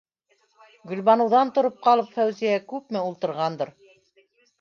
Гөлбаныуҙан тороп ҡалып, Фәүзиә күпме ултырғандыр...